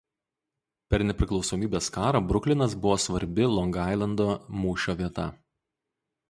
Per Nepriklausomybės karą Bruklinas buvo svarbi Long Ailando mūšio vieta.